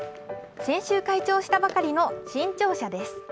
先週開庁したばかりの新庁舎です。